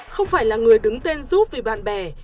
không phải là người đứng tên giúp vì bạn bè